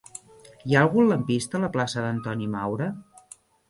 Hi ha algun lampista a la plaça d'Antoni Maura?